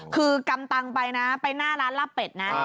คือกำตังไปนะไปหน้าร้านลาบเป็ดนะ